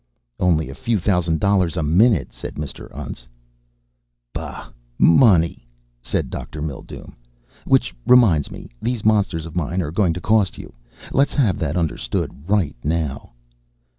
"Only a few thousand dollars a minute," said Mr. Untz. "Bah money!" said Dr. Mildume. "Which reminds me these monsters of mine are going to cost you. Let's have that understood, right now."